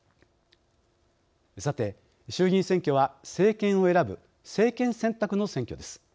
さて、衆議院選挙は政権を選ぶ政権選択の選挙です。